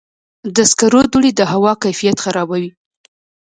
د سکرو دوړې د هوا کیفیت خرابوي.